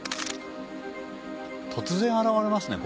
突然現れますね